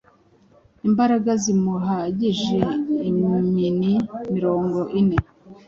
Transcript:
Imbaraga zimuhagije imini mirongo ine